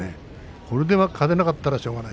これで勝てなかったらしょうがない。